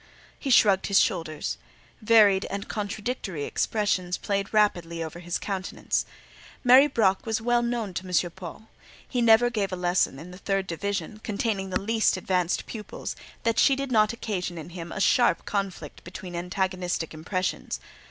He shrugged his shoulders; varied and contradictory expressions played rapidly over his countenance. Marie Broc was well known to M. Paul; he never gave a lesson in the third division (containing the least advanced pupils), that she did not occasion in him a sharp conflict between antagonistic impressions.